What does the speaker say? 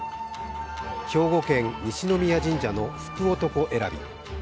兵庫県・西宮神社の福男選び。